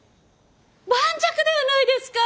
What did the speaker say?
盤石ではないですか。